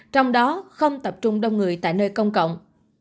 trong đó không tập trung đông người tại nơi công cộng